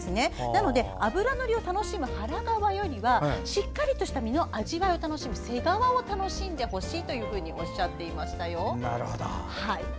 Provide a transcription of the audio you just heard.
なので脂のりを楽しむ腹側よりはしっかりとした味わいを楽しむ背側を楽しんでほしいとおっしゃっていました。